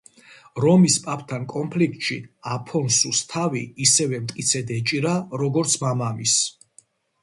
რომის პაპთან კონფლიქტში, აფონსუს თავი ისევე მტკიცედ ეჭირა, როგორც მამამისს.